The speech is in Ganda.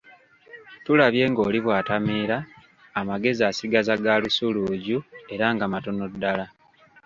Tulabye ng'oli bwatamiira amagezi asigaza ga lusuluuju era nga matono ddala.